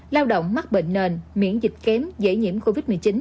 lao động mắc bệnh nền miễn dịch kém dễ nhiễm covid một mươi chín